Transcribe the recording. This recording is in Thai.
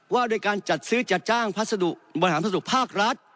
ว่าด้วยการจัดซื้อจัดจ้างพัสดุบริหารพัสดุภาครัฐ